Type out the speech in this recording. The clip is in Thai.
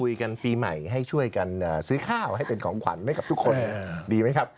ปีใหม่ให้ช่วยกันซื้อข้าวให้เป็นของขวัญให้กับทุกคนดีไหมครับ